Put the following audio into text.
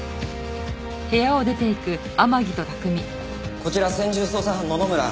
こちら専従捜査班野々村。